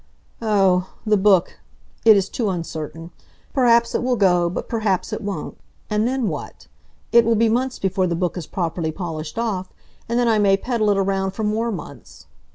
"Oh, the book it is too uncertain. Perhaps it will go, but perhaps it won't. And then what? It will be months before the book is properly polished off. And then I may peddle it around for more months.